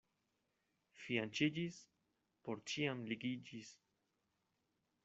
Fianĉiĝis — por ĉiam ligiĝis.